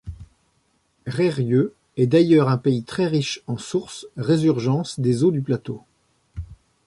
Reyrieux est d'ailleurs un pays très riche en sources, résurgences des eaux du plateau.